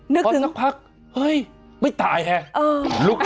นี่พอสักพักเฮ้ยไม่ตายแหละ